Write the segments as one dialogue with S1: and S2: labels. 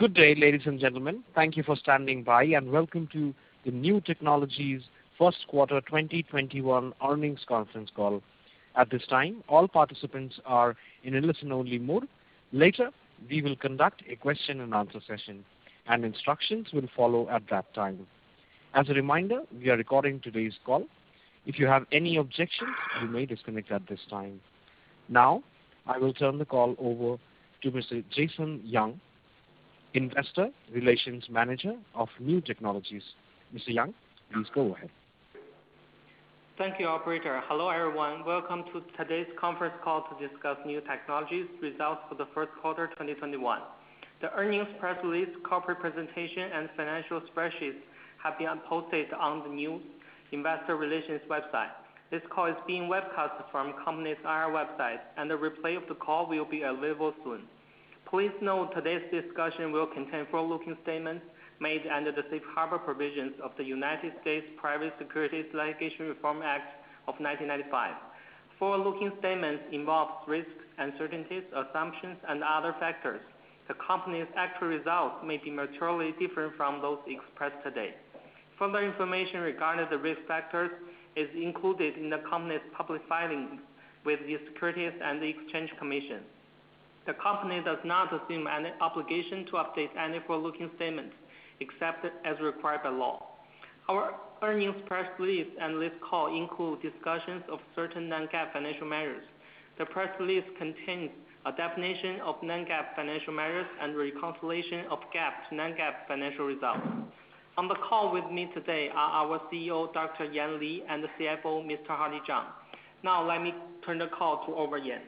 S1: Good day, ladies and gentlemen. Thank you for standing by, and welcome to the Niu Technologies first quarter 2021 earnings conference call. At this time, all participants are in a listen only mode. Later, we will conduct a question and answer session and instructions will follow at that time. As a reminder, we are recording today's call. If you have any objections, you may disconnect at this time. I will turn the call over to Mr. Jason Yang, investor relations manager of Niu Technologies. Mr. Yang, please go ahead.
S2: Thank you, operator. Hello, everyone. Welcome to today's conference call to discuss Niu Technologies results for the first quarter 2021. The earnings press release, corporate presentation, and financial spreadsheets have been posted on the Niu investor relations website. This call is being webcast from company's IR website, and the replay of the call will be available soon. Please note today's discussion will contain forward-looking statements made unde r the safe harbor provisions of the United States Private Securities Litigation Reform Act of 1995. Forward-looking statements involve risks, uncertainties, assumptions, and other factors. The company's actual results may be materially different from those expressed today. Further information regarding the risk factors is included in the company's public filings with the Securities and Exchange Commission. The company does not assume any obligation to update any forward-looking statements accepted as required by law. Our earnings press release and this call include discussions of certain non-GAAP financial measures. The press release contains a definition of non-GAAP financial measures and reconciliation of GAAP to non-GAAP financial results. On the call with me today are our CEO, Dr. Yan Li, and the CFO, Mr. Hardy Zhang. Now let me turn the call over to Yan.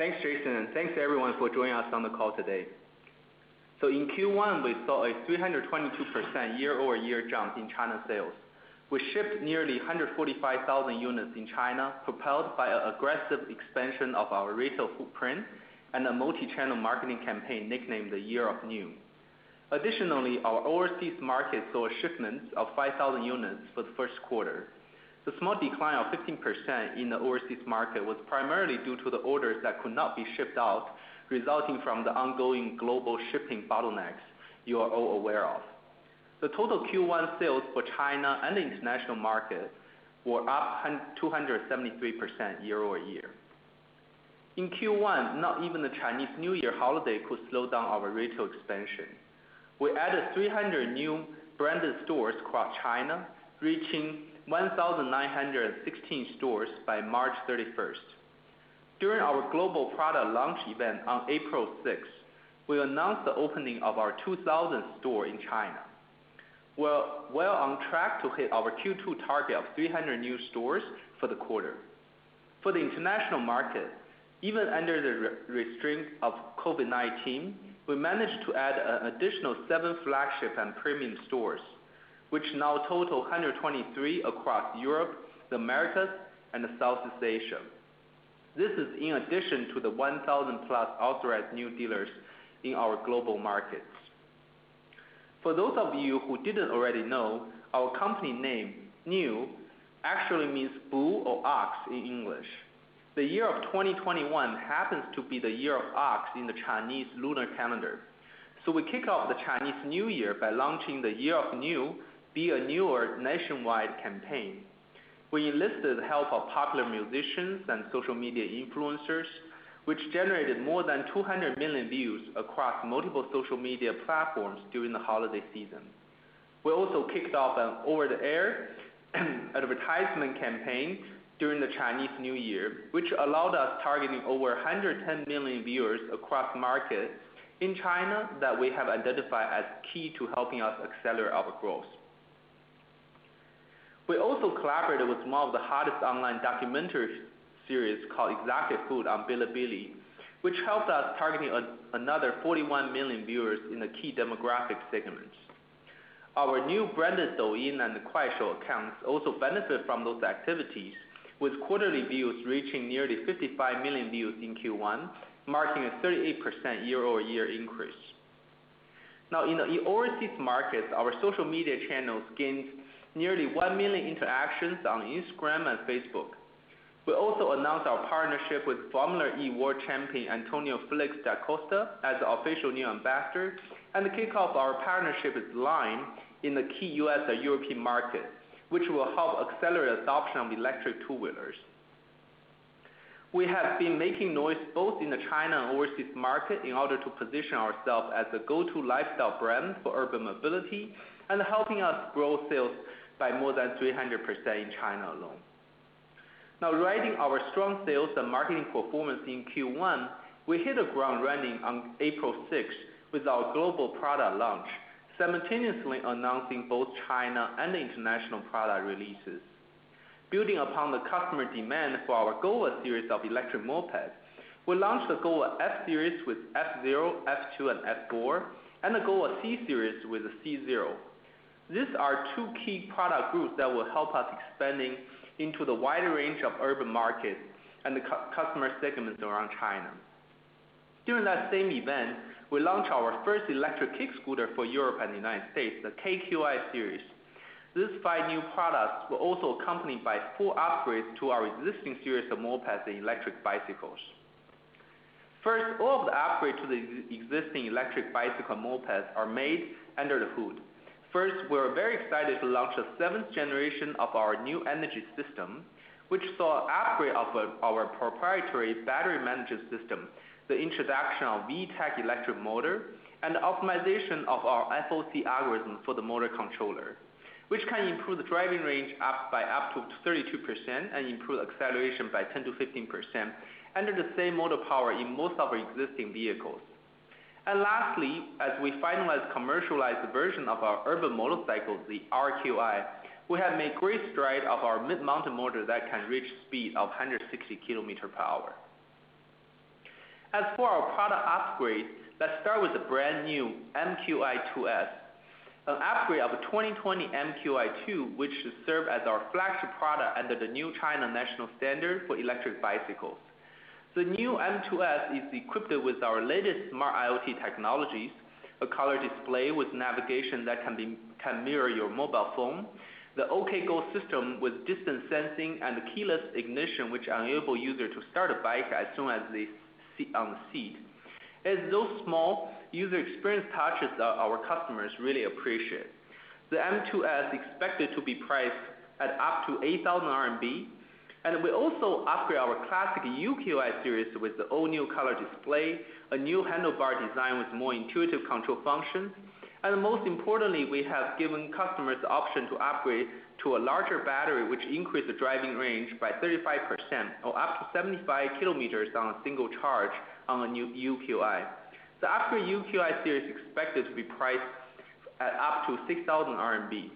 S3: Thanks, Jason, and thanks to everyone for joining us on the call today. In Q1, we saw a 322% year-over-year jump in China sales. We shipped nearly 145,000 units in China, propelled by an aggressive expansion of our retail footprint and a multi-channel marketing campaign nicknamed Year of the Niu. Additionally, our overseas market saw shipments of 5,000 units for the first quarter. The small decline of 15% in the overseas market was primarily due to the orders that could not be shipped out, resulting from the ongoing global shipping bottlenecks you are all aware of. The total Q1 sales for China and the international market were up 273% year-over-year. In Q1, not even the Chinese New Year holiday could slow down our retail expansion. We added 300 new branded stores across China, reaching 1,916 stores by March 31st. During our global product launch event on April 6th, we announced the opening of our 2,000th store in China. We're well on track to hit our Q2 target of 300 new stores for the quarter. For the international market, even under the restraints of COVID-19, we managed to add an additional seven flagship and premium stores, which now total 123 across Europe, the Americas, and Southeast Asia. This is in addition to the 1,000+ authorized Niu dealers in our global markets. For those of you who didn't already know, our company name, Niu, actually means bull or ox in English. The year of 2021 happens to be the year of ox in the Chinese lunar calendar. We kick off the Chinese New Year by launching the Year of Niu be a Niuer nationwide campaign. We enlisted the help of popular musicians and social media influencers, which generated more than 200 million views across multiple social media platforms during the holiday season. We also kicked off an over-the-air advertisement campaign during the Chinese New Year, which allowed us targeting over 110 million viewers across markets in China that we have identified as key to helping us accelerate our growth. We also collaborated with one of the hottest online documentary series called on Bilibili, which helped us targeting another 41 million viewers in the key demographic segments. Our new branded Douyin and Kuaishou accounts also benefit from those activities with quarterly views reaching nearly 55 million views in Q1, marking a 38% year-over-year increase. Now in the overseas market, our social media channels gained nearly 1 million interactions on Instagram and Facebook. We also announced our partnership with Formula E world champion, António Félix da Costa, as the official Niu ambassador and kick off our partnership with Lime in the key U.S. and European market, which will help accelerate adoption of electric two-wheelers. We have been making noise both in the China and overseas market in order to position ourselves as the go-to lifestyle brand for urban mobility and helping us grow sales by more than 300% in China alone. Now riding our strong sales and marketing performance in Q1, we hit the ground running on April 6th with our global product launch, simultaneously announcing both China and international product releases. Building upon the customer demand for our GOVA series of electric mopeds, we launched the GOVA F series with F0, F2, and F4, and the GOVA C series with the C0. These are two key product groups that will help us expanding into the wide range of urban markets and the customer segments around China. During that same event, we launched our first electric kick scooter for Europe and the United States, the KQi series. These five new products were also accompanied by full upgrades to our existing series of mopeds and electric bicycles. First, all of the upgrades to the existing electric bicycle mopeds are made under the hood. First, we are very excited to launch the 7th generation of our new energy system, which saw upgrade of our proprietary battery management system, the introduction of VTech electric motor, and optimization of our FOC algorithm for the motor controller. Which can improve the driving range up to 32% and improve acceleration by 10%-15%, under the same motor power in most of our existing vehicles. Lastly, as we finalize commercialized version of our urban motorcycles, the RQi, we have made great stride of our mid-mounted motor that can reach speed of 160 km per hour. As for our product upgrades, let's start with the brand new MQi2S. An upgrade of the 2020 MQi2, which should serve as our flagship product under the new China National Standard for electric bicycles. The new M2s is equipped with our latest smart IoT technologies, a color display with navigation that can mirror your mobile phone, the OkGo system with distance sensing, and the keyless ignition, which enable user to start a bike as soon as they sit on the seat. It's those small user experience touches that our customers really appreciate. The M2s expected to be priced at up to 8,000 RMB. We also upgrade our classic UQi series with the all new color display, a new handlebar design with more intuitive control functions. Most importantly, we have given customers the option to upgrade to a larger battery, which increase the driving range by 35% or up to 75 km on a single charge on the new UQi. The upgraded UQi series is expected to be priced at up to 6,000 RMB.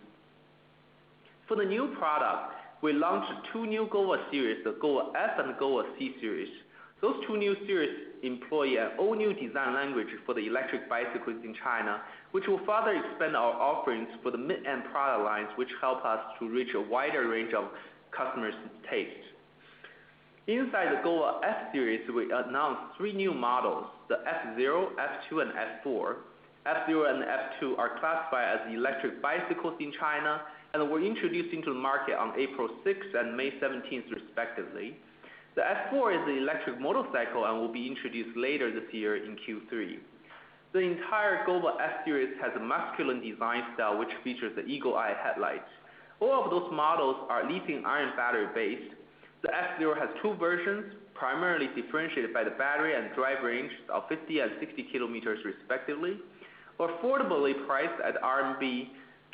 S3: For the new product, we launched two new GOVA series, the GOVA F and GOVA C series. Those two new series employ an all new design language for the electric bicycles in China, which will further expand our offerings for the mid-end product lines, which help us to reach a wider range of customers' taste. Inside the GOVA F series, we announced three new models, the F0, F2, and F4. F0 and F2 are classified as electric bicycles in China, and were introduced into the market on April 6th and May 17th respectively. The F4 is the electric motorcycle and will be introduced later this year in Q3. The entire GOVA F series has a masculine design style, which features the eagle eye headlights. All of those models are lithium iron battery based. The F0 has two versions, primarily differentiated by the battery and drive range of 50 km and 60 km respectively. Affordably priced at RMB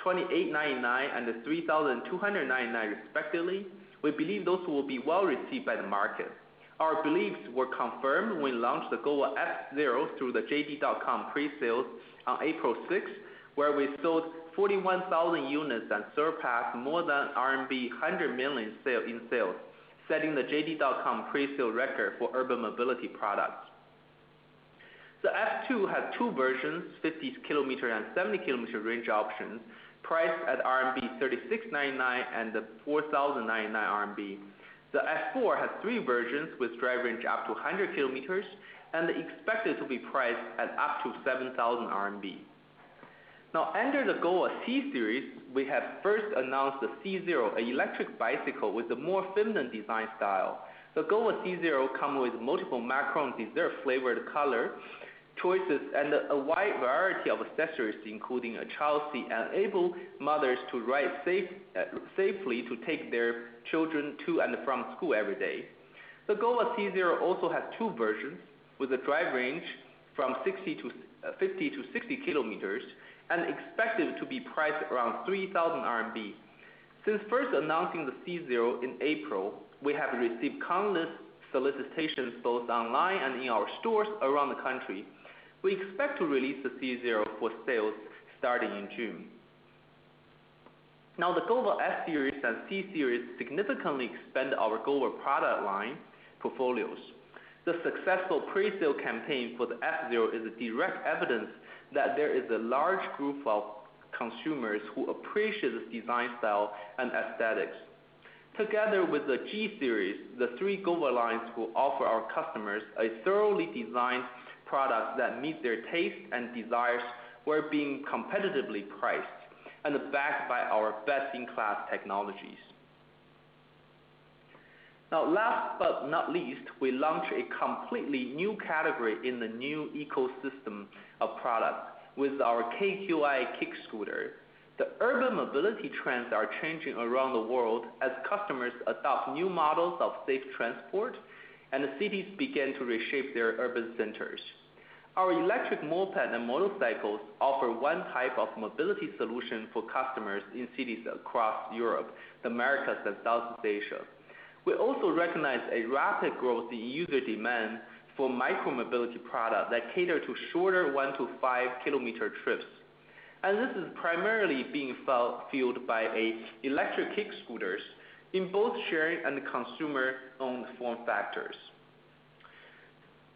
S3: 2,899 and the 3,299 respectively, we believe those will be well received by the market. Our beliefs were confirmed when we launched the GOVA F0 through the JD.com presales on April 6th, where we sold 41,000 units and surpassed more than RMB 100 million in sales, setting the JD.com presale record for urban mobility products. The F2 has two versions, 50 km and 70 km range options, priced at RMB 3,699 and the 4,099 RMB. The F4 has three versions with drive range up to 100 km, and expected to be priced at up to 7,000 RMB. Now, under the GOVA C series, we have first announced the C0, an electric bicycle with a more feminine design style. The GOVA C0 come with multiple macaron dessert flavored color choices, and a wide variety of accessories, including a child seat, enable mothers to ride safely to take their children to and from school every day. The GOVA C0 also has two versions, with a drive range from 50 km-60 km, and expected to be priced around CNY 3,000. Since first announcing the C0 in April, we have received countless solicitations both online and in our stores around the country. We expect to release the C0 for sales starting in June. The GOVA F series and C series significantly expand our GOVA product line portfolios. The successful presale campaign for the F0 is a direct evidence that there is a large group of consumers who appreciate this design style and aesthetics. Together with the G-series, the three GOVA lines will offer our customers a thoroughly designed product that meet their taste and desires while being competitively priced and backed by our best-in-class technologies. Last but not least, we launched a completely new category in the Niu ecosystem of product with our KQi kick scooter. The urban mobility trends are changing around the world as customers adopt new models of safe transport and cities begin to reshape their urban centers. Our electric moped and motorcycles offer one type of mobility solution for customers in cities across Europe, the Americas, and Southeast Asia. We also recognize a rapid growth in user demand for micromobility products that cater to shorter one to 5 km trips. This is primarily being fueled by electric kick scooters in both sharing and consumer owned form factors.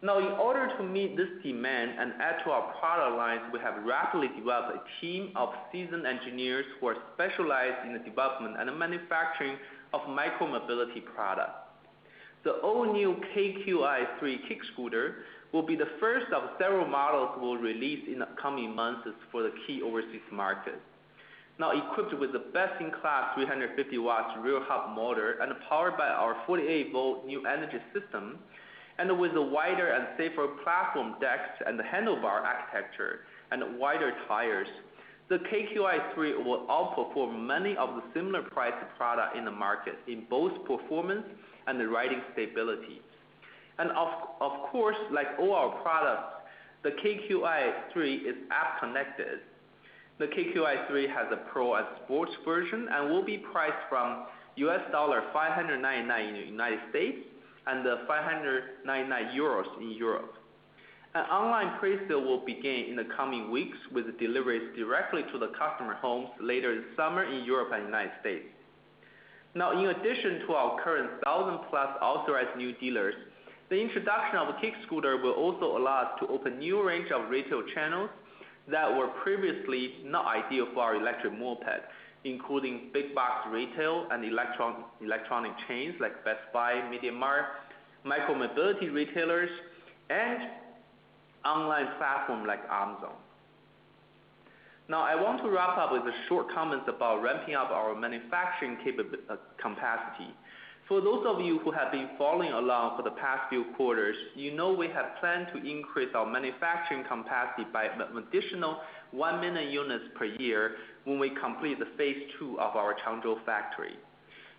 S3: In order to meet this demand and add to our product lines, we have rapidly developed a team of seasoned engineers who are specialized in the development and manufacturing of micromobility products. All new KQi3 kick scooter will be the first of several models we'll release in the coming months for the key overseas markets. Now equipped with the best-in-class 350 watts rear hub motor and powered by our 48 volt Niu energy system, and with a wider and safer platform deck and the handlebar architecture, and wider tires. The KQi3 will outperform many of the similar priced product in the market in both performance and the riding stability. Of course, like all our products, the KQi3 is app connected. The KQi3 has a pro and sports version and will be priced from $599 in the United States, and EUR 599 in Europe. An online pre-sale will begin in the coming weeks with deliveries directly to the customer homes later in summer in Europe and United States. In addition to our current 1,000 plus authorized Niu dealers, the introduction of a kick scooter will also allow us to open new range of retail channels that were previously not ideal for our electric mopeds. Including big box retail and electronic chains like Best Buy, MediaMarkt, micro-mobility retailers, and online platform like Amazon. I want to wrap up with a short comment about ramping up our manufacturing capacity. For those of you who have been following along for the past few quarters, you know we have planned to increase our manufacturing capacity by an additional 1 million units per year when we complete the phase II of our Changzhou factory.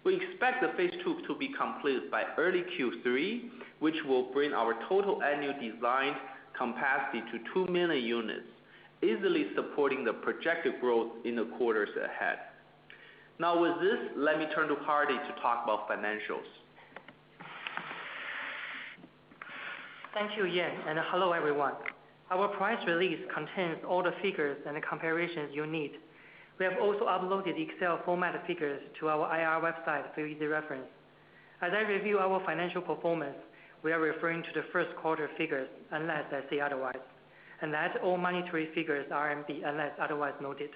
S3: We expect the phase II to be completed by early Q3, which will bring our total annual design capacity to 2 million units. Easily supporting the projected growth in the quarters ahead. With this, let me turn to Hardy to talk about financials.
S4: Thank you, Yan, and hello, everyone. Our press release contains all the figures and the comparisons you need. We have also uploaded Excel format figures to our IR website for easy reference. As I review our financial performance, we are referring to the first quarter figures, unless I say otherwise, and that all monetary figures are CNY, unless otherwise noted.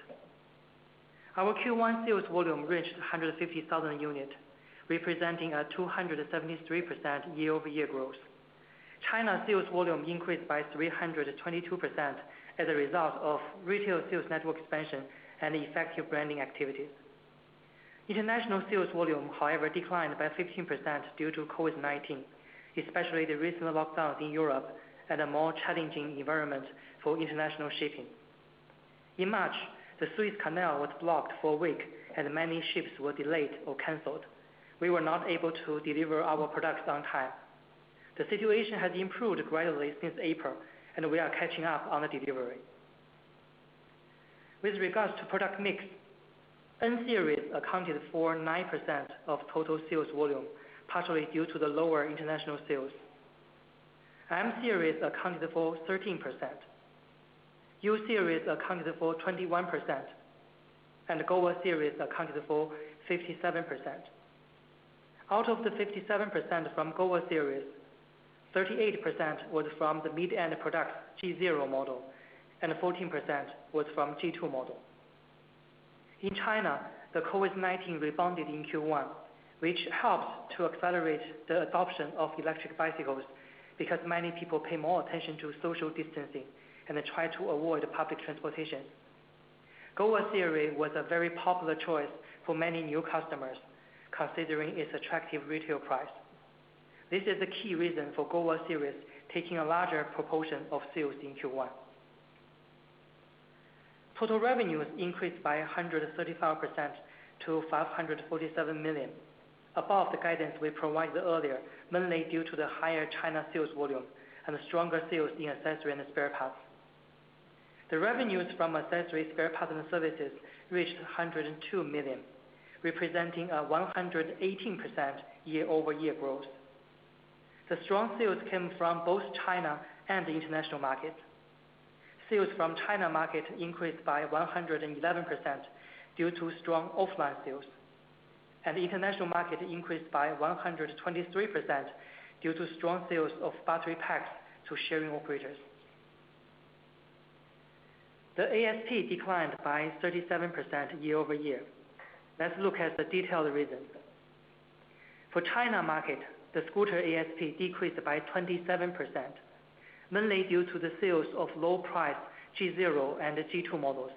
S4: Our Q1 sales volume reached 150,000 units, representing a 273% year-over-year growth. China sales volume increased by 322% as a result of retail sales network expansion and effective branding activities. International sales volume, however, declined by 15% due to COVID-19, especially the recent lockdown in Europe and a more challenging environment for international shipping. In March, the Suez Canal was blocked for one week. Many ships were delayed or canceled. We were not able to deliver our products on time. The situation has improved gradually since April, and we are catching up on delivery. With regards to product mix, N Series accounted for 9% of total sales volume, partially due to the lower international sales. M-Series accounted for 13%. U Series accounted for 21%, and GOVA series accounted for 57%. Out of the 57% from GOVA series, 38% was from the mid-end product G0 model and 14% was from G2 model. In China, the COVID-19 rebounded in Q1, which helped to accelerate the adoption of electric bicycles because many people pay more attention to social distancing and try to avoid public transportation. GOVA series was a very popular choice for many new customers, considering its attractive retail price. This is the key reason for GOVA series taking a larger proportion of sales in Q1. Total revenues increased by 135% to 547 million, above the guidance we provided earlier, mainly due to the higher China sales volume and stronger sales in accessories and spare parts. The revenues from accessories, spare parts and services reached 102 million, representing a 118% year-over-year growth. The strong sales came from both China and the international market. Sales from China market increased by 111% due to strong offline sales, and the international market increased by 123% due to strong sales of battery packs to sharing operators. The ASP declined by 37% year-over-year. Let's look at the detailed reasons. For China market, the scooter ASP decreased by 27%, mainly due to the sales of low price G0 and the G2 models,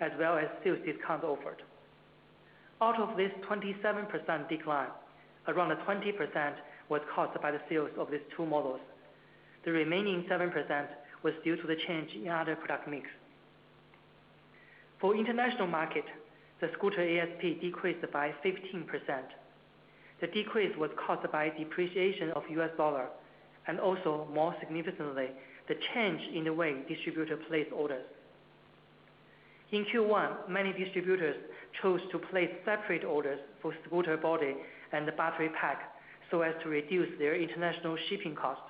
S4: as well as sales discount offered. Out of this 27% decline, around a 20% was caused by the sales of these two models. The remaining 7% was due to the change in other product mix. For international market, the scooter ASP decreased by 15%. The decrease was caused by depreciation of U.S. dollar, and also more significantly, the change in the way distributors place orders. In Q1, many distributors chose to place separate orders for scooter body and the battery pack, so as to reduce their international shipping cost.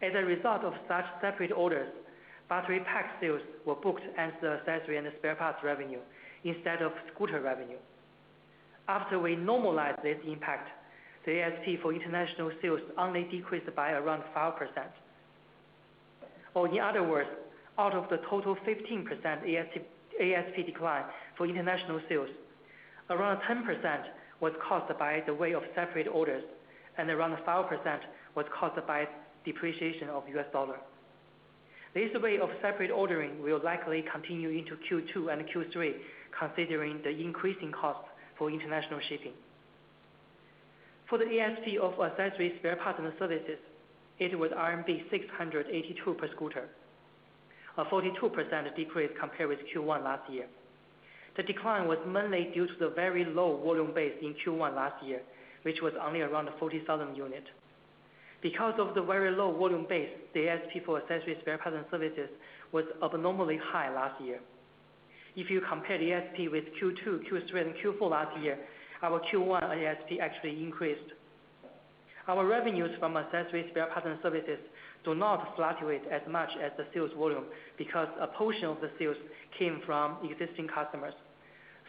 S4: As a result of such separate orders, battery pack sales were booked as the accessory and spare parts revenue instead of scooter revenue. After we normalize this impact, the ASP for international sales only decreased by around 5%. In other words, out of the total 15% ASP decline for international sales, around 10% was caused by the way of separate orders, and around 5% was caused by depreciation of U.S. dollar. This way of separate ordering will likely continue into Q2 and Q3, considering the increasing costs for international shipping. For the ASP of accessories, spare parts, and services, it was RMB 682 per scooter, a 42% decrease compared with Q1 last year. The decline was mainly due to the very low volume base in Q1 last year, which was only around 40,000 units. Because of the very low volume base, the ASP for accessories, spare parts, and services was abnormally high last year. If you compare the ASP with Q2, Q3, and Q4 last year, our Q1 ASP actually increased. Our revenues from accessories, spare parts, and services do not fluctuate as much as the sales volume because a portion of the sales came from existing customers.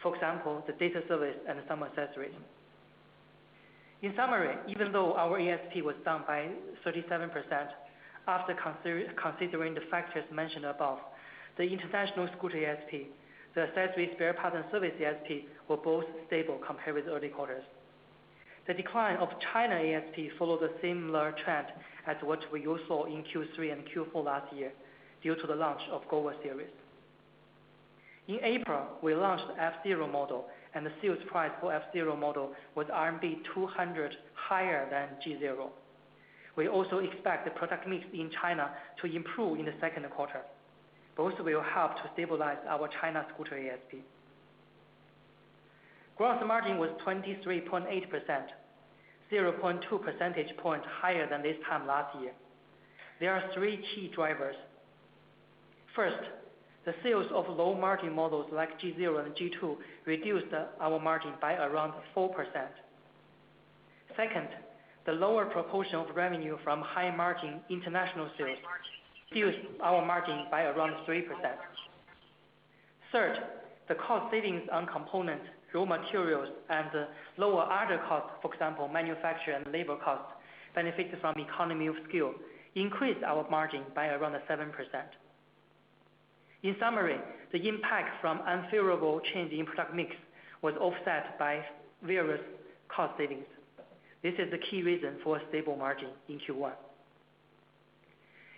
S4: For example, the data service and some accessories. In summary, even though our ASP was down by 37%, after considering the factors mentioned above, the international scooter ASP, the accessories, spare parts, and service ASP were both stable compared with early quarters. The decline of China ASP followed a similar trend as what we all saw in Q3 and Q4 last year, due to the launch of GOVA series. In April, we launched F0 model, and the sales price for F0 model was CNY 200 higher than G0. We also expect the product mix in China to improve in the second quarter. Both will help to stabilize our China scooter ASP. Gross margin was 23.8%, 0.2 percentage points higher than this time last year. There are three key drivers. First, the sales of low-margin models like G0 and G2 reduced our margin by around 4%. Second, the lower proportion of revenue from high-margin international sales killed our margin by around 3%. Third, the cost savings on components, raw materials, and lower other costs, for example, manufacturing and labor costs, benefits from economy of scale, increased our margin by around 7%. In summary, the impact from unfavorable change in product mix was offset by various cost savings. This is the key reason for a stable margin in Q1.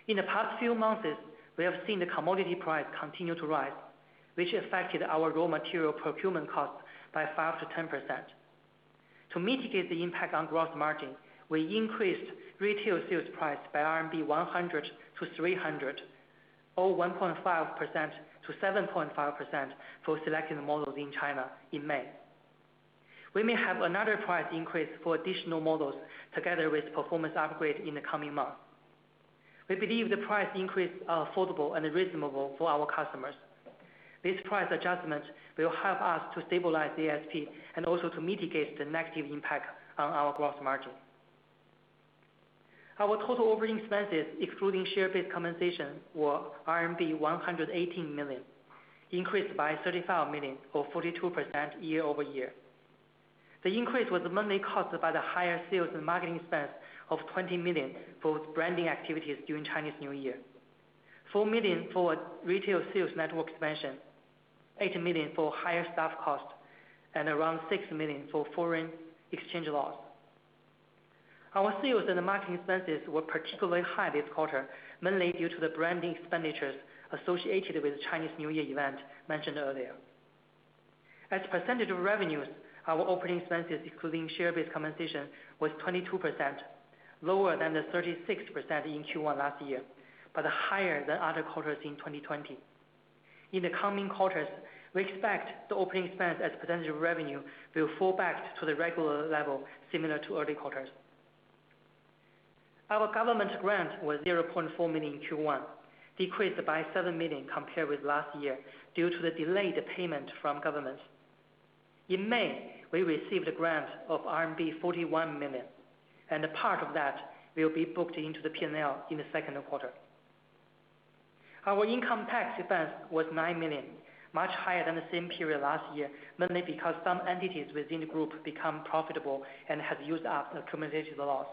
S4: In the past few months, we have seen the commodity price continue to rise, which affected our raw material procurement cost by 5%-10%. To mitigate the impact on gross margin, we increased retail sales price by 100-300 RMB, or 1.5%-7.5% for selected models in China in May. We may have another price increase for additional models together with performance upgrade in the coming months. We believe the price increase are affordable and reasonable for our customers. These price adjustments will help us to stabilize the ASP and also to mitigate the negative impact on our gross margin. Our total operating expenses, excluding share-based compensation, were CNY 118 million, increased by 35 million or 42% year-over-year. The increase was mainly caused by the higher sales and marketing expense of 20 million for branding activities during Chinese New Year. 4 million for retail sales network expansion, 8 million for higher staff costs, and around 6 million for foreign exchange loss. Our sales and marketing expenses were particularly high this quarter, mainly due to the branding expenditures associated with the Chinese New Year event mentioned earlier. As a percentage of revenues, our operating expenses, excluding share-based compensation, was 22%, lower than the 36% in Q1 last year, but higher than other quarters in 2020. In the coming quarters, we expect the operating expense as a percentage of revenue will fall back to the regular level, similar to early quarters. Our government grant was 0.4 million in Q1, decreased by 7 million compared with last year due to the delayed payment from governments. In May, we received a grant of RMB 41 million, a part of that will be booked into the P&L in the second quarter. Our income tax expense was 9 million, much higher than the same period last year, mainly because some entities within the group become profitable and have used up accumulated loss.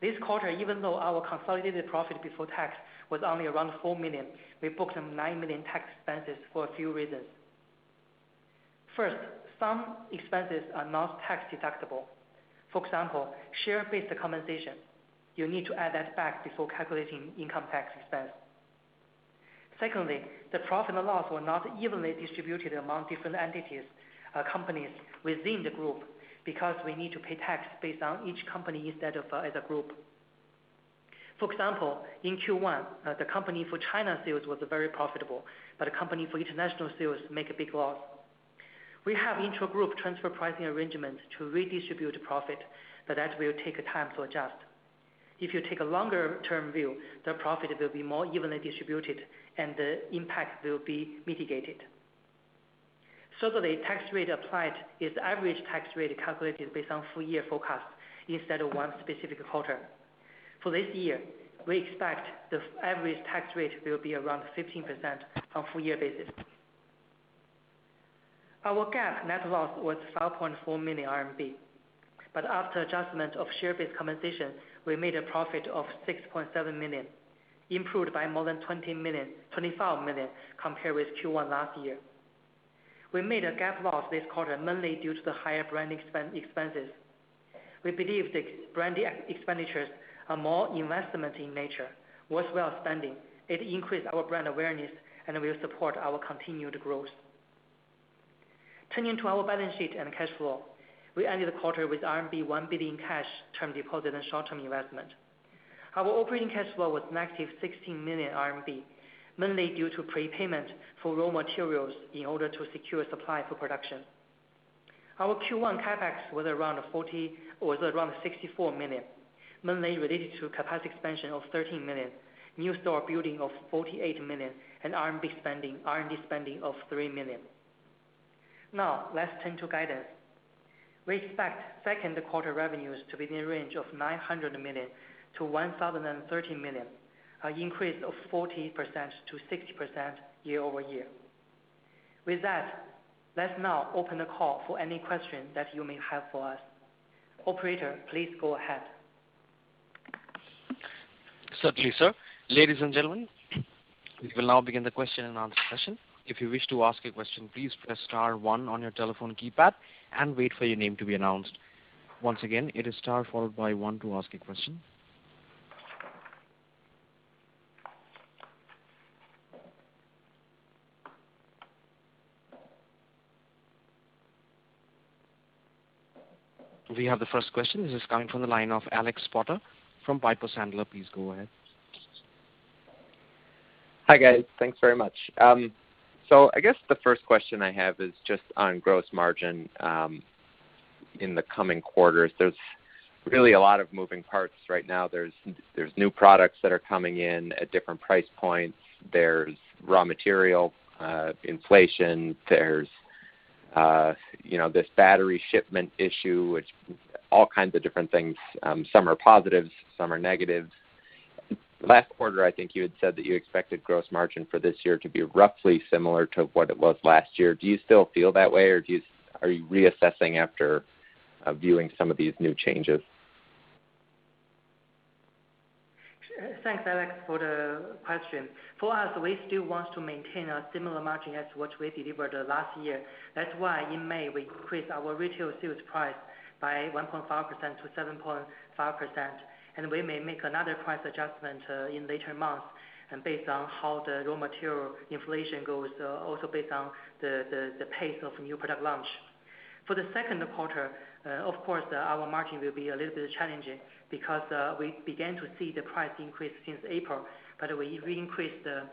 S4: This quarter, even though our consolidated profit before tax was only around 4 million, we booked 9 million tax expenses for a few reasons. First, some expenses are not tax deductible. For example, share-based compensation. You need to add that back before calculating income tax expense. Secondly, the profit and loss were not evenly distributed among different entities, companies within the group because we need to pay tax based on each company instead of as a group. For example, in Q1, the company for China sales was very profitable, but a company for international sales make a big loss. We have intra-group transfer pricing arrangements to redistribute profit. That will take time to adjust. Thirdly, tax rate applied is average tax rate calculated based on full-year forecast instead of one specific quarter. For this year, we expect the average tax rate will be around 15% on a full-year basis. Our GAAP net loss was 12.4 million RMB. After adjustment of share-based compensation, we made a profit of 6.7 million, improved by more than 25 million compared with Q1 last year. We made a GAAP loss this quarter mainly due to higher brand expenses. We believe the brand expenditures are more investment in nature. Worth well spending. It increased our brand awareness and will support our continued growth. Turning to our balance sheet and cash flow, we ended the quarter with CNY 1 billion cash term deposit and short-term investment. Our operating cash flow was negative CNY 16 million, mainly due to prepayment for raw materials in order to secure supply for production. Our Q1 CapEx was around 64 million, mainly related to capacity expansion of 13 million, new store building of 48 million, and R&D spending of 3 million. Let's turn to guidance. We expect second quarter revenues to be in the range of 900 million to 1,030,000,000, an increase of 40%-60% year-over-year. With that, let's now open the call for any questions that you may have for us. Operator, please go ahead.
S1: Certainly, sir. Ladies and gentlemen, we will now begin the question and answer session. If you wish to ask a question, please press star one on your telephone keypad and wait for your name to be announced. Once again, it is star followed by one to ask a question. We have the first question. This is coming from the line of Alex Potter from Piper Sandler. Please go ahead.
S5: Thanks very much. I guess the first question I have is just on gross margin in the coming quarters. There's really a lot of moving parts right now. There's new products that are coming in at different price points. There's raw material inflation, there's battery shipment issue, which all kinds of different things. Some are positives, some are negatives. Last quarter, I think you had said that you expected gross margin for this year to be roughly similar to what it was last year. Do you still feel that way, or are you reassessing after viewing some of these new changes?
S4: Thanks, Alex, for the question. For us, we still want to maintain a similar margin as what we delivered last year. That's why in May, we increased our retail sales price by 1.5%-7.5%. We may make another price adjustment in later months based on how the raw material inflation goes, also based on the pace of new product launch. For the second quarter, of course, our margin will be a little bit challenging because we began to see the price increase since April. We increased the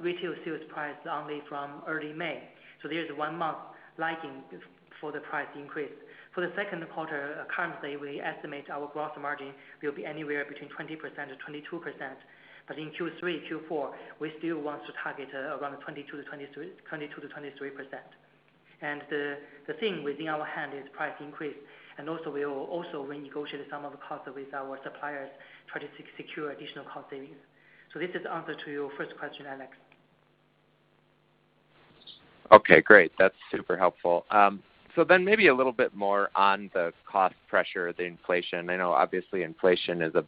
S4: retail sales price only from early May. There's one month lagging for the price increase. For the second quarter, currently, we estimate our gross margin will be anywhere between 20% and 22%. In Q3, Q4, we still want to target around 22%-23%. The thing within our hand is price increase, and also we'll also renegotiate some of the costs with our suppliers trying to secure additional cost savings. This is answer to your first question, Alex.
S5: That's super helpful. Maybe a little bit more on the cost pressure, the inflation. I know obviously inflation is a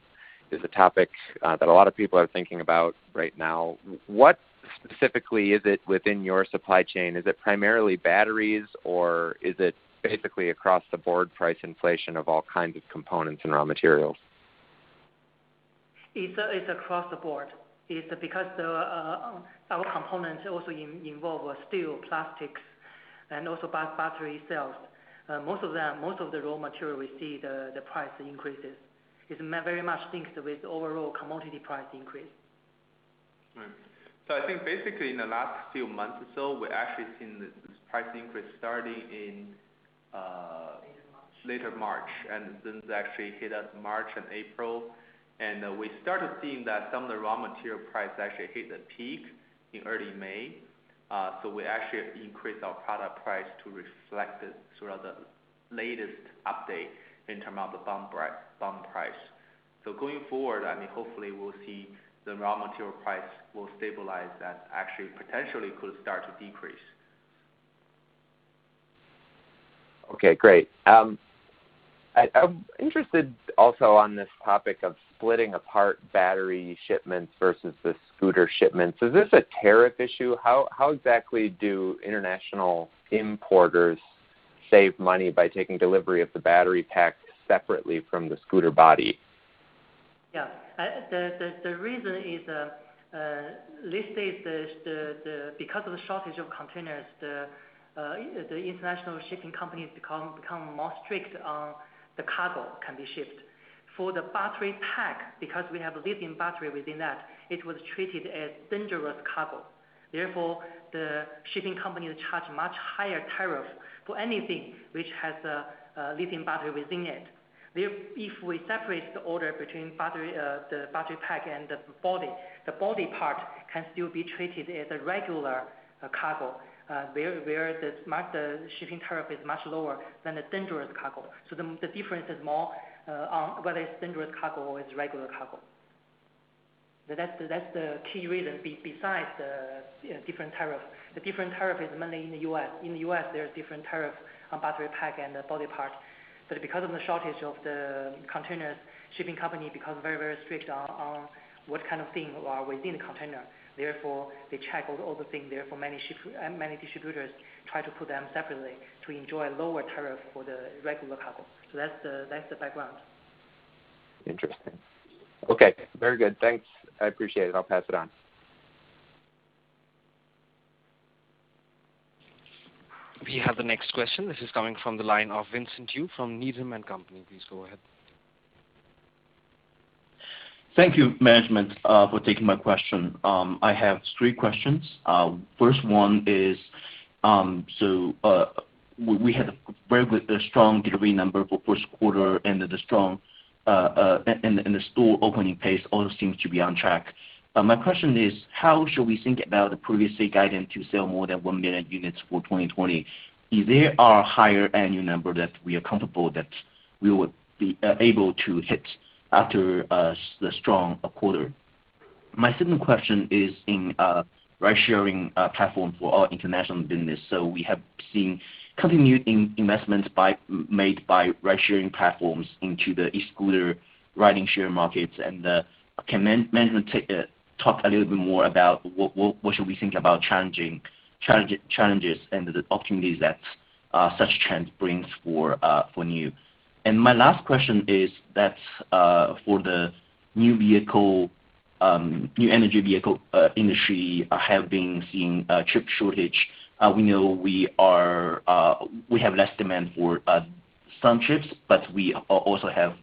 S5: topic that a lot of people are thinking about right now. What specifically is it within your supply chain? Is it primarily batteries, or is it basically across the board price inflation of all kinds of components and raw materials?
S4: It's across the board. It's because our components also involve steel, plastics, and also battery cells. Most of the raw material we see the price increases. It's very much linked with overall commodity price increase.
S3: I think basically in the last few months or so, we're actually seeing the price increase starting in, later March, since actually hit at March and April. We started seeing that some of the raw material price actually hit the peak in early May. We actually increased our product price to reflect the latest update in term of the BOM price. Going forward, hopefully we'll see the raw material price will stabilize and actually potentially could start to decrease.
S5: I'm interested also on this topic of splitting apart battery shipments versus the scooter shipments. Is this a tariff issue? How exactly do international importers save money by taking delivery of the battery pack separately from the scooter body?
S4: The reason is these days, because of the shortage of containers, the international shipping companies become more strict on the cargo can be shipped. For the battery pack, because we have lithium battery within that, it was treated as dangerous cargo. Therefore, the shipping company will charge much higher tariff for anything which has a lithium battery within it. If we separate the order between the battery pack and the body, the body part can still be treated as a regular cargo, where the shipping tariff is much lower than a dangerous cargo. The difference is more on whether it's dangerous cargo or it's regular cargo. That's the key reason besides the different tariff. The different tariff is mainly in the U.S. In the U.S., there's different tariffs on battery pack and the body parts. Because of the shortage of the containers, shipping company become very strict on what kind of things are within the container. They check all the things. Many distributors try to put them separately to enjoy a lower tariff for the regular cargo. That's the background.
S5: Thanks. I appreciate it. I'll pass it on.
S1: We have the next question. This is coming from the line of Vincent Yu from Needham & Company. Please go ahead.
S6: Thank you, management, for taking my question. I have three questions. First one is, we had a very strong delivery number for first quarter and the store opening pace all seems to be on track. My question is, how should we think about the previous guidance to sell more than 1 million units for 2020? Is there a higher annual number that we are comfortable that we would be able to hit after the strong quarter? My second question is in ride-sharing platform for our international business. We have seen continued investments made by ride-sharing platforms into the e-scooter, riding-share markets. Can management talk a little bit more about what should we think about challenges and the opportunities that such trends brings for Niu? My last question is that for the new energy vehicle industry, have been seeing chip shortage. We know we have less demand for some chips. We also have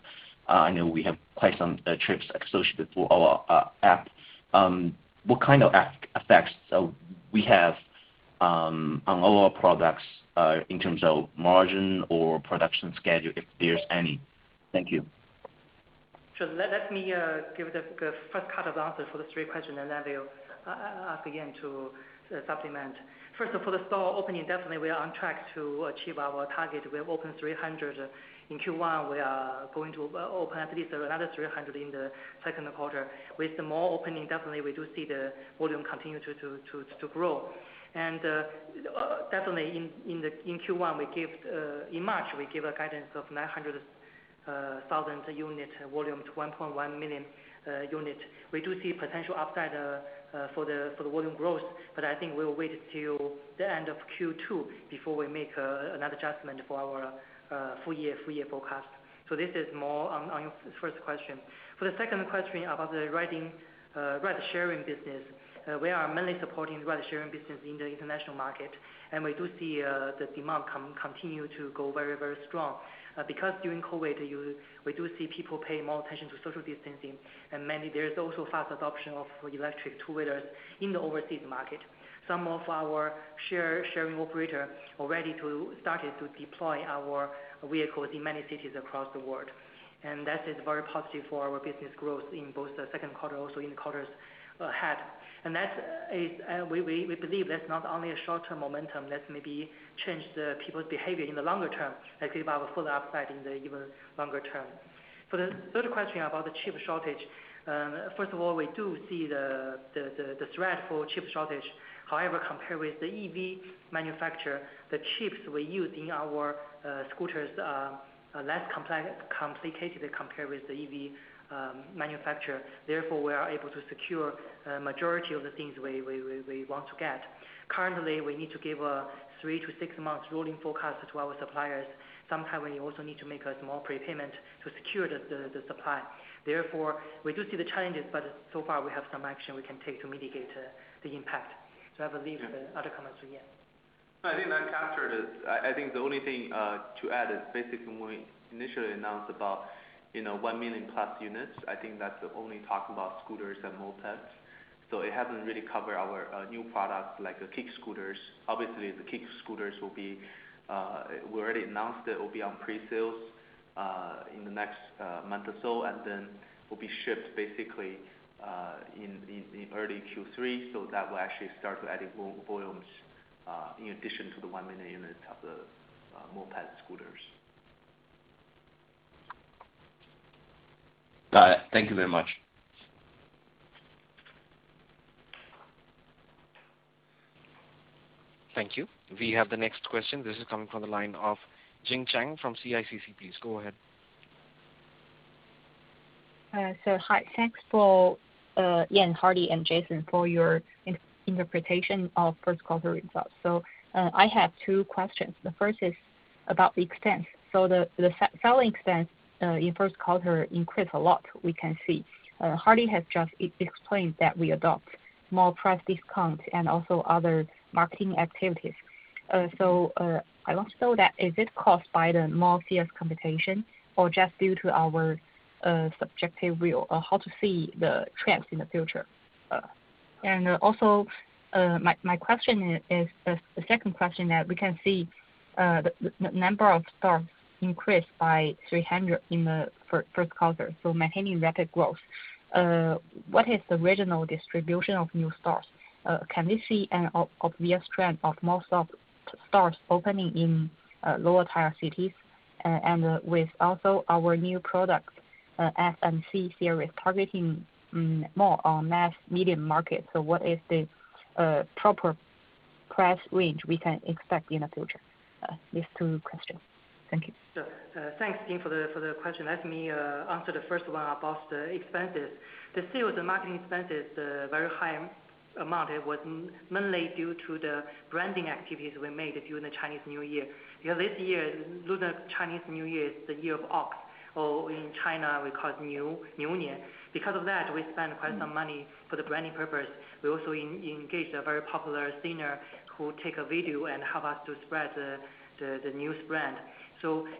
S6: quite some chips associated for our app. What kind of effects we have on our products, in terms of margin or production schedule, if there's any? Thank you.
S4: Let me give the first cut of answers for the three questions, and then Li will begin to supplement. First of all, store opening, definitely we are on track to achieve our target. We have opened 300 in Q1. We are going to open at least another 300 in the second quarter. With more opening, definitely we do see the volume continue to grow. Definitely, in March, we gave a guidance of 900,000 unit volume to 1.1 million units. We do see potential upside for the volume growth, but I think we'll wait till the end of Q2 before we make another adjustment for our full year forecast. This is more on first question. For the second question about the ride sharing business, we are mainly supporting ride sharing business in the international market, and we do see the demand continue to go very strong. During COVID, we do see people pay more attention to social distancing, mainly there's also fast adoption of electric scooters in the overseas market. Some of our sharing operator already started to deploy our vehicles in many cities across the world, that is very positive for our business growth in both the second quarter also in quarters ahead. We believe that's not only a short-term momentum that maybe change the people's behavior in the longer term. I think we have a full upside in the even longer term. For the third question about the chip shortage, first of all, we do see the dreadful chip shortage. However, compared with the EV manufacturer, the chips we use in our scooters are less complicated compared with the EV manufacturer. Therefore, we are able to secure majority of the things we want to get. Currently, we need to give a three to six months rolling forecast to our suppliers. Sometimes we also need to make a small prepayment to secure the supply. Therefore, we do see the challenges, but so far we have some action we can take to mitigate the impact. Li, any other comments?
S3: I think Zhang captured it. I think the only thing to add is basically when we initially announced about 1 million plus units, I think that's only talking about scooters and mopeds. It hasn't really covered our new products like the kick scooters. Obviously, the kick scooters, we already announced that it will be on pre-sales in the next month or so, and then will be shipped basically in early Q3. That will actually start adding more volumes, in addition to the 1 million units of the moped scooters.
S6: Thank you very much.
S1: Thank you. We have the next question. This is coming from the line of Jing Chang from CICC. Please go ahead.
S7: Hi. Thanks for, Yan, Hardy, and Jason for your interpretation of first quarter results. I have two questions. The first is about the expense. The selling expense in first quarter increased a lot, we can see. Hardy has just explained that we adopt more price discounts and also other marketing activities. I don't know that is this caused by the more fierce competition or just due to our subjective view on how to see the trends in the future? The second question that we can see the number of stores increased by 300 in the first quarter, so maintaining rapid growth. What is the regional distribution of new stores? Can we see an obvious trend of more stores opening in lower-tier cities, and with also our new product, the F and C series, targeting more on mass medium market. What is the proper price range we can expect in the future? These two questions. Thank you.
S4: Thanks again for the question. Let me answer the first one about the expenses. This year, the marketing expense is a very high amount. It was mainly due to the branding activities we made during the Chinese New Year. This year, Lunar Chinese New Year, it's the Year of Ox, or in China, we call it "niú nián". Because of that, we spent quite some money for the branding purpose. We also engaged a very popular singer who take a video and help us to spread the Niu brand.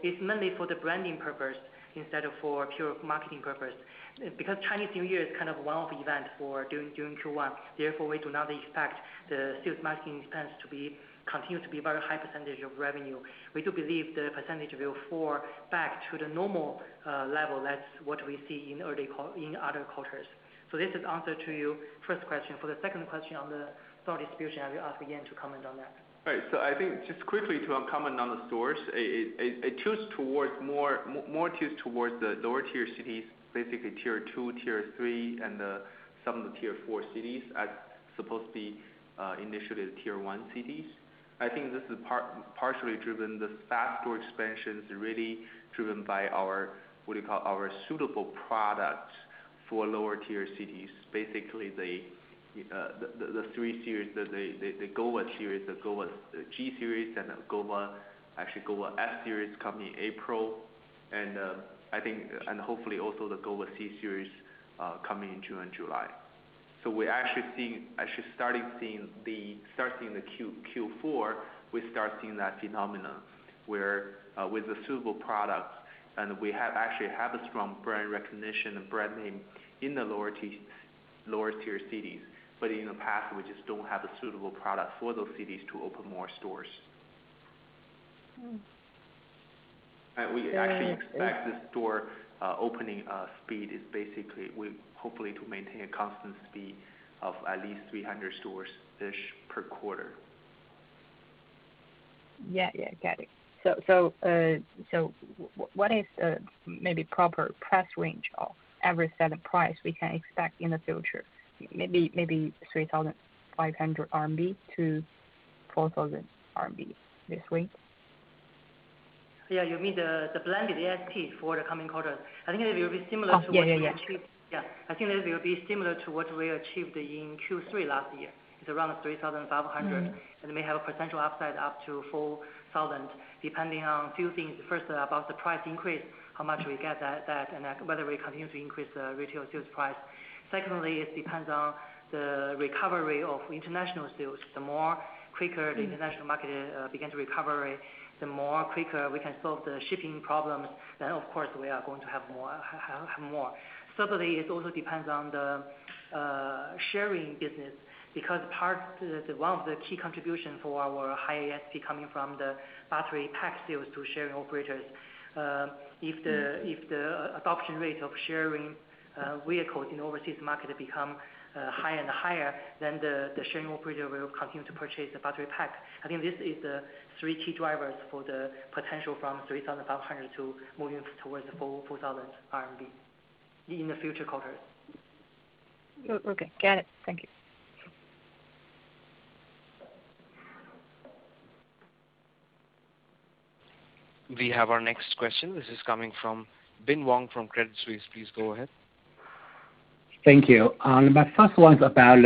S4: It's mainly for the branding purpose instead of for pure marketing purpose. Chinese New Year is a one-off event during Q1, therefore, we do not expect the sales marketing expense to continue to be a very high percentage of revenue. We do believe the percentage will fall back to the normal level that we see in other cultures. This is answer to your first question. For the second question on the store distribution, I'll ask Yan to comment on that.
S3: I think just quickly to comment on the stores. It more tilts towards the lower-tier cities, basically tier 2, tier 3, and some of the tier 4 cities, as opposed to initially tier 1 cities. I think this is partially driven, the fast store expansion is really driven by our suitable products for lower-tier cities. Basically, the three series, the GOVA series, the GOVA G series, and actually GOVA F series coming April, and hopefully also the GOVA C series coming in June and July. We're actually starting to see in Q4, we start seeing that phenomenon where with the suitable product, and we actually have a strong brand recognition and brand name in the lower-tier cities. But in the past, we just don't have a suitable product for those cities to open more stores. We actually expect the store opening speed, basically, we're hoping to maintain a constant speed of at least 300 stores-ish per quarter.
S7: What is maybe proper price range of average selling price we can expect in the future? Maybe CNY 3,500-CNY 4,000 this range?
S4: You mean the blended ASP for the coming quarter? I think it will be similar to what we achieved in Q3 last year. It's around 3,500. We have a potential upside up to 4,000, depending on a few things. First, about the price increase, how much we get that. Whether we continue to increase the retail sales price. Secondly, it depends on the recovery of international sales. The more quickly the international market begins to recover, the more quickly we can solve the shipping problem, then of course, we are going to have more. Thirdly, it also depends on the sharing business, because one of the key contribution for our high ASP coming from the battery pack sales to sharing operators. If the adoption rate of sharing vehicles in overseas market become higher and higher, the sharing operator will continue to purchase the battery pack. I think these are the three key drivers for the potential from 3,500 to moving towards CNY 4,000 in the future quarters.
S7: Thank you.
S1: We have our next question. This is coming from Bin Wang from Credit Suisse. Please go ahead.
S8: My first one is about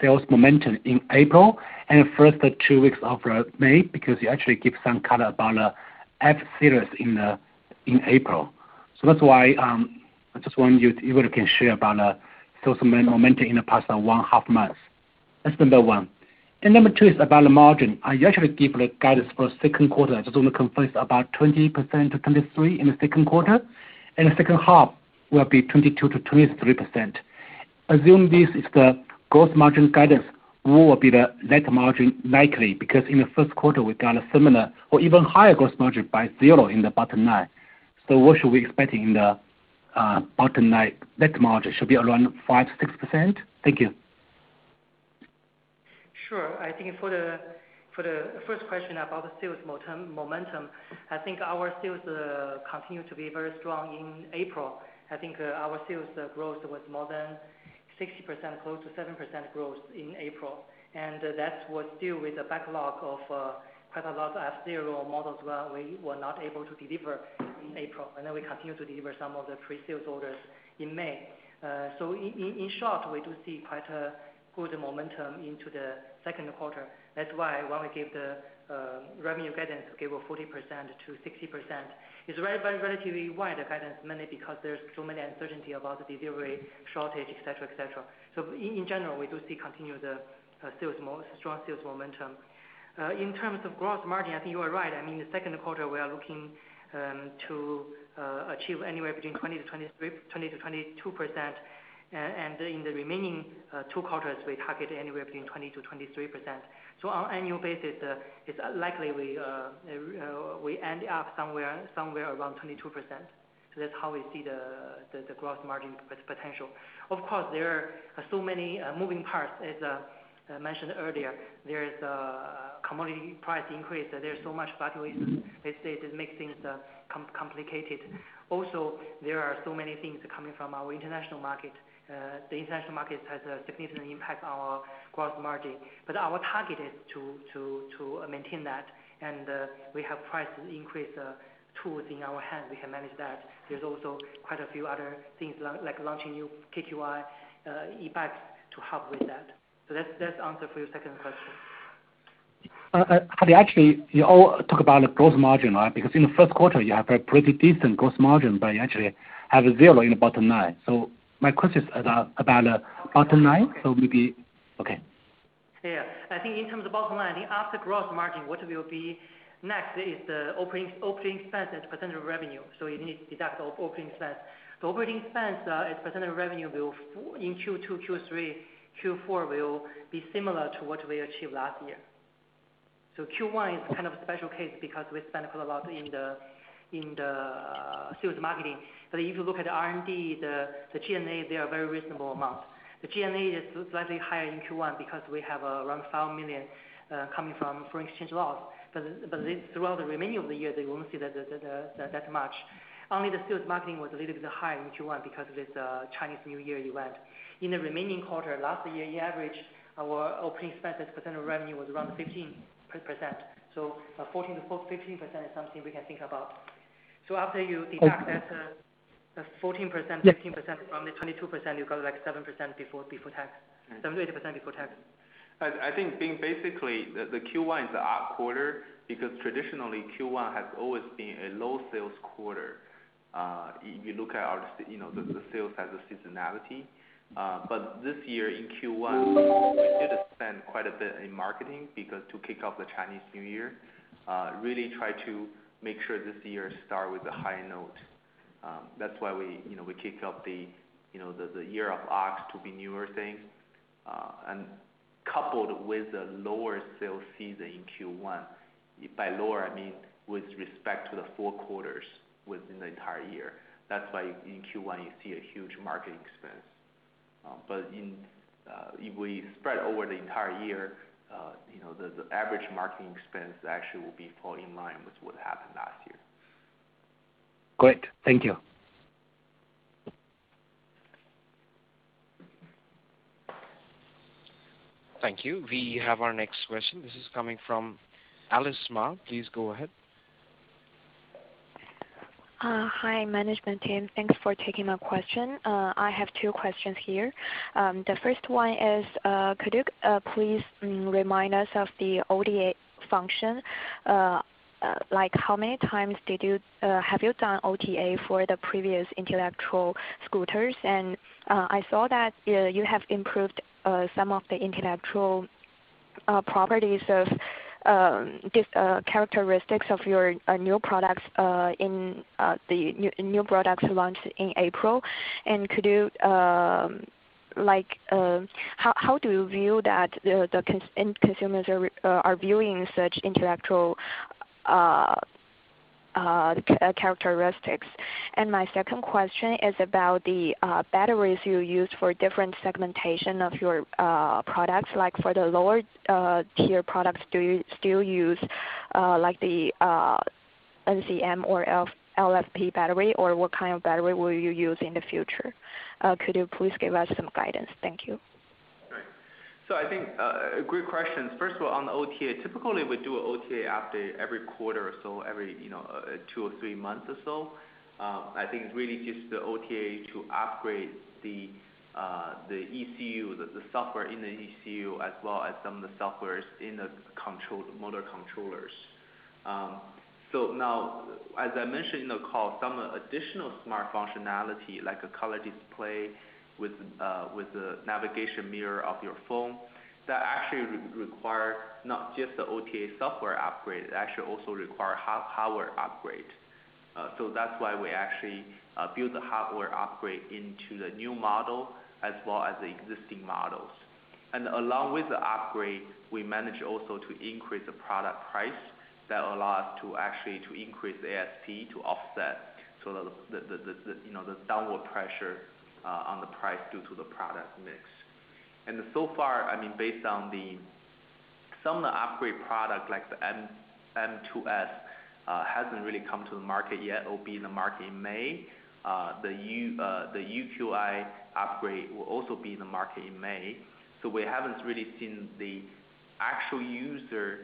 S8: sales momentum in April and first two weeks of May, because you actually give some color about the F series in April. That's why I just wonder if you can share about sales momentum in the past one half month. That's number one. Number two is about the margin. You actually gave the guidance for second quarter, I think you said it was about 20%-23% in the second quarter, and the second half will be 22%-23%. Assume this is the gross margin guidance, what will be the net margin likely? Because in the first quarter, we got a similar or even higher gross margin by zero in the bottom line. What should we expect in the bottom line net margin? Should be around 5%-6%? Thank you.
S4: I think for the first question about the sales momentum, I think our sales continue to be very strong in April. I think our sales growth was more than 60% close to 70% growth in April. That was still with the backlog of quite a lot of F0 models where we were not able to deliver in April. We continue to deliver some of the pre-sales orders in May. In short, we do see quite a good momentum into the second quarter. That's why when we gave the revenue guidance to give a 40%-60%. It's a very, very relatively wide guidance, mainly because there's so many uncertainty about the delivery, shortage, et cetera, et cetera. In general, we do see continued strong sales momentum. In terms of gross margin, I think you are right. In the second quarter, we are looking to achieve anywhere between 20%-22%. In the remaining two quarters, we target anywhere between 20%-23%. On annual basis, it's likely we end up somewhere around 22%. That's how we see the gross margin potential. Of course, there are so many moving parts. As mentioned earlier, there is a commodity price increase. There's so much fluctuation. They say it does make things complicated. Also, there are so many things coming from our international market. The international market has a significant impact on our gross margin. Our target is to maintain that, and we have price increase tools in our hands. We can manage that. There's also quite a few other things like launching new KQi e-bike to help with that. That's the answer for your second question.
S8: Actually, you all talk about the gross margin, because in the first quarter, you have a pretty decent gross margin, but you actually have zero in the bottom line. My question is about the bottom line.
S4: I think in terms of bottom line, I think after gross margin, what will be next is the operating expense as a percentage of revenue. You need to deduct our operating expense. The operating expense as a percentage of revenue in Q2, Q3, Q4 will be similar to what we achieved last year. Q1 is kind of a special case because we spent a lot in the sales marketing. If you look at the R&D, the G&A, they are very reasonable amounts. The G&A is slightly higher in Q1 because we have around 5 million coming from foreign exchange loss. Throughout the remaining of the year, you won't see that much. Only the sales marketing was a little bit high in Q1 because of this Chinese New Year event. In the remaining quarter, last year, on average, our OpEx as a percentage of revenue was around 15%. 14%-15% is something we can think about. After you deduct that 14%-15% from the 22%, you got like 7% before tax, 7%-8% before tax.
S3: I think basically, the Q1 is the odd quarter because traditionally, Q1 has always been a low sales quarter. If you look at the sales as a seasonality. This year in Q1, we did spend quite a bit in marketing to kick off the Chinese New Year, really try to make sure this year start with a high note. That's why we kicked off the Year of Ox to be Niuer thing. Coupled with the lower sales season in Q1, by lower, I mean with respect to the four quarters within the entire year. That's why in Q1, you see a huge marketing expense. If we spread over the entire year, the average marketing expense actually will be fall in line with what happened last year.
S8: Thank you.
S1: Thank you. We have our next question. This is coming from Alice Ma. Please go ahead.
S9: Hi, management team. Thanks for taking my question. I have two questions here. The first one is could you please remind us of the OTA function? Like how many times have you done OTA for the previous electric scooters? I saw that you have improved some of the intellectual characteristics of your new products launched in April. How do you view that the end consumers are viewing such intellectual characteristics? My second question is about the batteries you use for different segmentation of your products. Like for the lower-tier products, do you still use the NCM or LFP battery, or what kind of battery will you use in the future? Could you please give us some guidance? Thank you.
S3: I think, great questions. First of all, on the OTA, typically, we do OTA update every quarter or so, every two or three months or so. I think it's really just the OTA to upgrade the ECU, the software in the ECU, as well as some of the softwares in the motor controllers. Now, as I mentioned in the call, some additional smart functionality like a color display with the navigation mirror of your phone, that actually requires not just the OTA software upgrade, it actually also requires hardware upgrade. That's why we actually build the hardware upgrade into the new model as well as the existing models. Along with the upgrade, we manage also to increase the product price. That allow us to actually increase the ASP to offset the downward pressure on the price due to the product mix. So far, based on some of the upgrade product like the M2s, hasn't really come to the market yet. It will be in the market in May. The UQi upgrade will also be in the market in May. We haven't really seen the actual user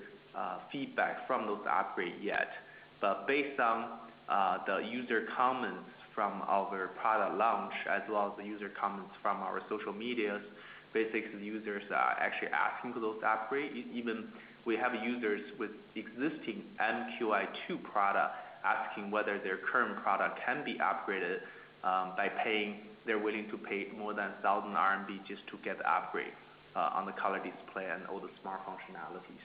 S3: feedback from those upgrades yet. Based on the user comments from our product launch, as well as the user comments from our social medias, basically, the users are actually asking for those upgrades. Even we have users with existing MQi2 product asking whether their current product can be upgraded. They're willing to pay more than 1,000 RMB just to get the upgrade on the color display and all the smart functionalities.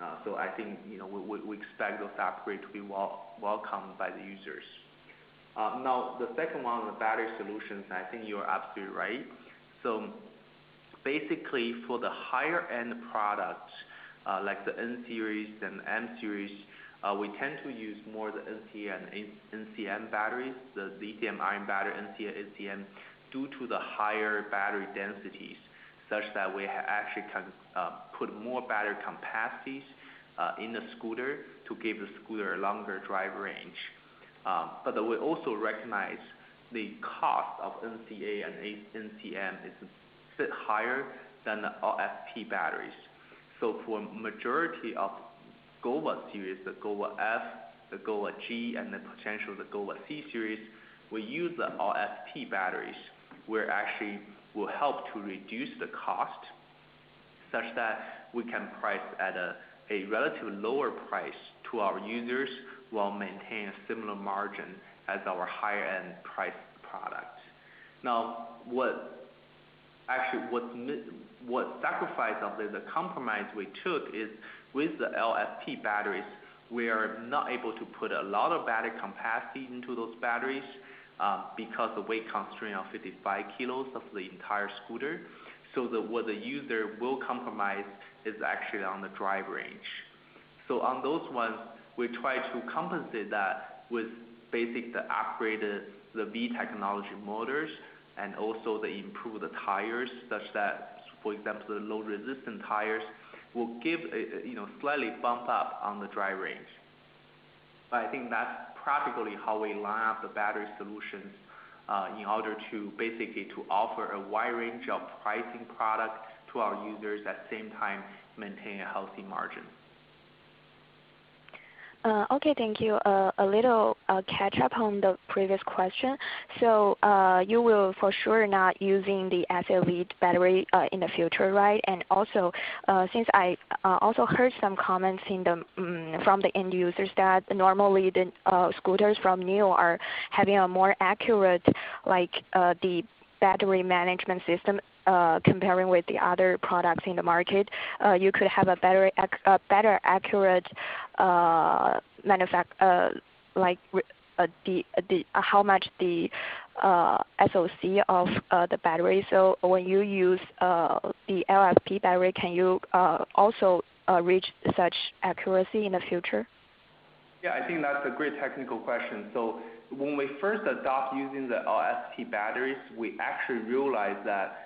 S3: Now, I think we expect those upgrades to be well welcomed by the users. Now, the second one on the battery solutions, I think you're absolutely right. Basically, for the higher-end products, like the NQi-series and M-Series, we tend to use more the NCA and NCM batteries, the lithium-ion battery, NCA, NCM, due to the higher battery densities. Such that we actually can put more battery capacities in the scooter to give the scooter a longer drive range. By the way, also recognize the cost of NCA and NCM is a bit higher than the LFP batteries. For majority of GOVA series, the GOVA F, the GOVA G, and then potentially the GOVA C series, we use the LFP batteries, where actually will help to reduce the cost such that we can price at a relatively lower price to our users while maintaining a similar margin as our higher-end priced product. What sacrifice of it, the compromise we took is with the LFP batteries, we are not able to put a lot of battery capacity into those batteries, because the weight constraint of 55 kg of the entire scooter. That what the user will compromise is actually on the drive range. On those ones, we try to compensate that with basically the upgraded VTech motors and also the improved tires such that, for example, the low-resistance tires will give a slightly bump up on the drive range. I think that's practically how we line up the battery solutions, in order to basically to offer a wide range of pricing product to our users, at the same time, maintain a healthy margin.
S9: Thank you. A little catch up on the previous question. You will for sure not using the SLA battery in the future, right? Since I also heard some comments from the end users that normally the scooters from Niu are having a more accurate battery management system, comparing with the other products in the market. You could have a better accurate manufacture, like how much the SoC of the battery. When you use the LFP battery, can you also reach such accuracy in the future?
S3: I think that's a great technical question. When we first adopt using the LFP batteries, we actually realized that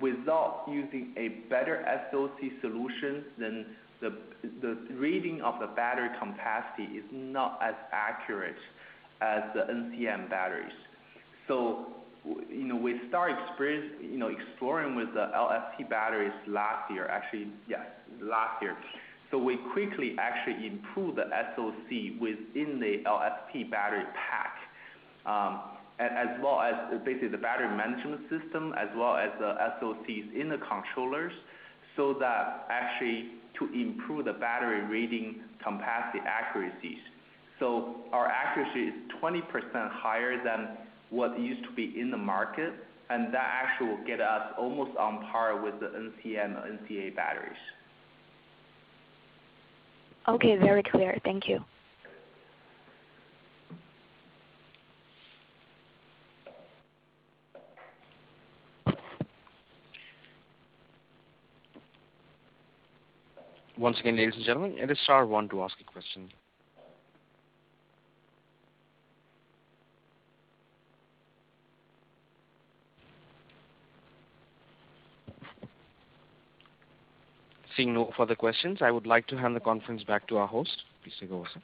S3: without using a better SoC solution, then the reading of the battery capacity is not as accurate as the NCM batteries. We start exploring with the LFP batteries last year, actually, last year. We quickly actually improved the SoC within the LFP battery pack. As well as, basically, the battery management system, as well as the SoCs in the controllers, so that actually to improve the battery reading capacity accuracies. Our accuracy is 20% higher than what used to be in the market, and that actually will get us almost on par with the NCM, NCA batteries.
S9: Very clear. Thank you.
S1: Once again, ladies and gentlemen, if you star one to ask a question. Seeing no further questions, I would like to hand the conference back to our host. Please go ahead sir.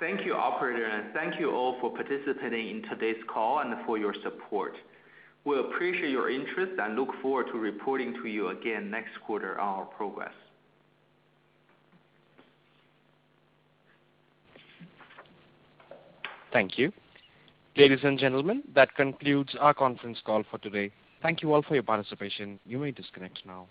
S3: Thank you, operator, and thank you all for participating in today's call and for your support. We appreciate your interest and look forward to reporting to you again next quarter on our progress.
S1: Thank you. Ladies and gentlemen, that concludes our conference call for today. Thank you all for your participation. You may disconnect now.